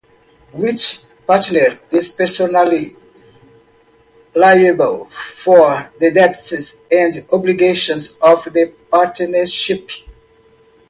Each partner is personally liable for the debts and obligations of the partnership.